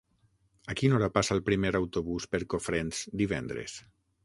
A quina hora passa el primer autobús per Cofrents divendres?